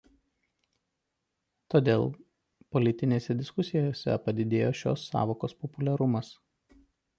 Todėl politinėse diskusijose padidėjo šio sąvokos populiarumas.